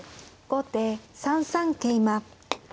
後手３三桂馬。